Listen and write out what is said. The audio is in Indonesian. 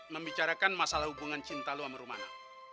membicarakan masalah hubungan cinta lo sama rumana